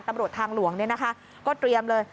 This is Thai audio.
ตำรวจทางหลวงนี่นะคะก็เตรียมเลย